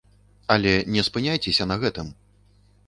Але не спыняйцеся на гэтым!